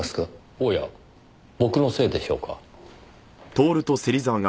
おや僕のせいでしょうか？